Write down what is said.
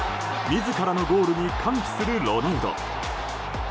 自らのゴールに歓喜するロナウド。